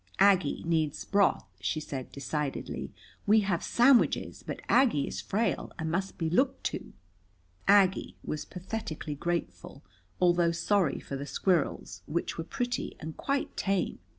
"Aggie needs broth," she said decidedly. "We have sandwiches, but Aggie is frail and must be looked to." Aggie was pathetically grateful, although sorry for the squirrels, which were pretty and quite tame.